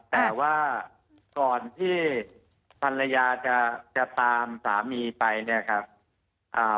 แต่ว่าก่อนที่ภรรยาจะจะตามสามีไปเนี่ยครับอ่า